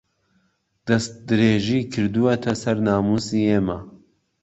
دەستدرێژی کردووەتە سەر ناموسی ئێمە